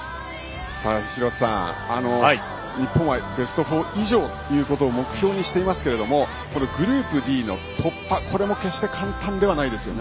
廣瀬さん、日本はベスト４以上を目標にしていますがグループＤの突破決して簡単ではないですよね。